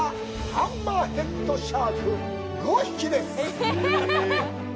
ハンマーヘッドシャーク、５匹です！